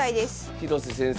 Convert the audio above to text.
広瀬先生